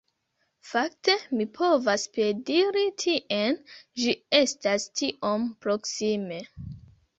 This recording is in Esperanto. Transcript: Fakte mi povas piediri tien, ĝi estas tiom proksime.